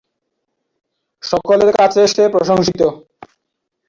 সকলের কাছে সে প্রশংসিত।